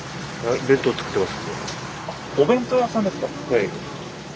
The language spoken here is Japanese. はい。